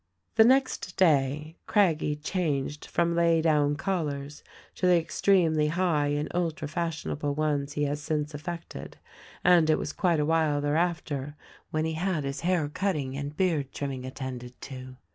"The next day Craggie changed from lay down collars to the extremely high and ultra fashionable ones he has since affected, and it was quite a while thereafter when he liad his hair cutting and beard trimming attended to.